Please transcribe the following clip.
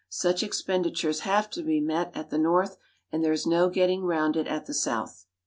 Such expenditures have to be met at the North; and there is no getting round it at the South.